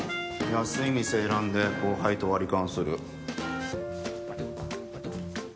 安い店選んで後輩と割り勘する。